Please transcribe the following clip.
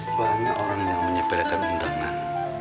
banyak orang yang menyepelekan undangan